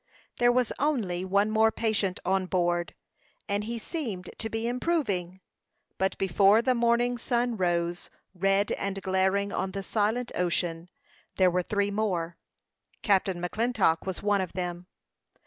There was only one more patient on board, and he seemed to be improving; but before the morning sun rose, red and glaring on the silent ocean, there were three more. Captain McClintock was one of them.